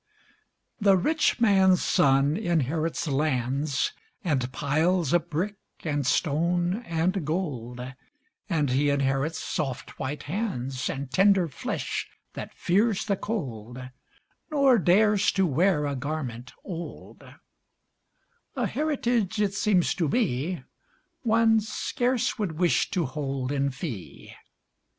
The rich man's son inherits lands, And piles of brick, and stone, and gold, And he inherits soft white hands, And tender flesh that fears the cold, Nor dares to wear a garment old; A heritage, it seems to me, One scarce would wish to hold in fee.